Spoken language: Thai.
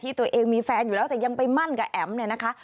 ตัวเองมีแฟนอยู่แล้วแต่ยังไปมั่นกับแอ๋มเนี่ยนะคะ